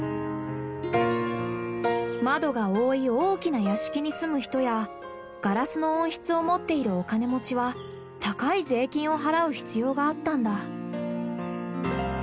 窓が多い大きな屋敷に住む人やガラスの温室を持っているお金持ちは高い税金を払う必要があったんだ。